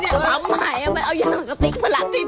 มีข้อต่อหรอใช่นี่พร้อมใหม่เอายากติ๊กพระหลักติ๊ก